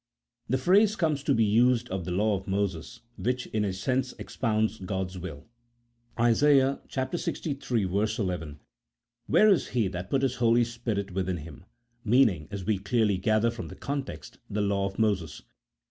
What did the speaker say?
The phrase comes to be used of the law of Moses, which in a sense expounds God's will, Is. lxiii. 11, " Where is He that put His Holy Spirit within him?" meaning, as we clearly gather from the context, the law of Moses.